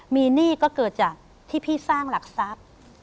มีหนี้ก็เกิดจากที่พี่สร้างหลักทรัพย์